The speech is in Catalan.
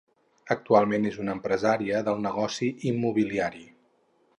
Actualment és una empresària del negoci immobiliari.